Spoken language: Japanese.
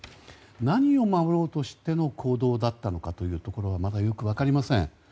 何を守ろうとしての行動だったのかというところがまだよく分かりません。